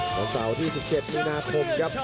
วันเสาร์ที่๑๗มีนาคมครับ